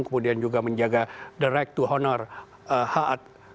kemudian juga menjaga direct to honor hak